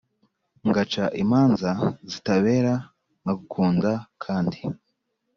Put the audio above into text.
Ngaca imanza zitabera nkagukunda kandi